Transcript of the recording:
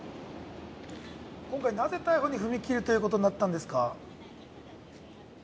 今回なぜ逮捕に踏み切るということになったんですか？